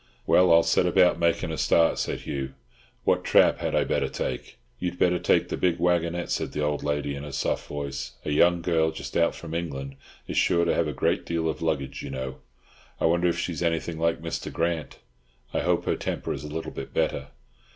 "Well, I'll set about making a start," said Hugh. "What trap had I better take?" "You'd better take the big waggonette," said the old lady, in her soft voice. "A young girl just out from England is sure to have a great deal of luggage, you know. I wonder if she is anything like Mr. Grant. I hope her temper is a little bit better."